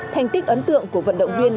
thành tích ấn tượng của vận động viên